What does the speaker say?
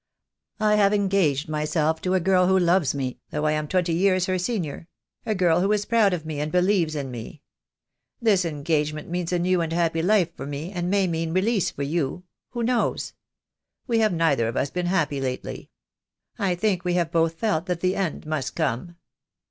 I have engaged myself to a girl who loves me, though I am twenty years her senior; a girl who is proud of me and believes in me. This engagement means a new and happy life for me, and may mean release for you — who knows? We have neither of us been happy lately. I think we have both felt that the end must come."